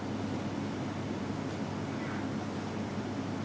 cảm ơn các bạn đã theo dõi